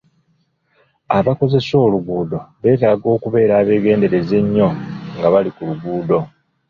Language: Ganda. Abakozesa oluguudo beetaaga okubeera abeegendereza ennyo nga bali ku luguudo.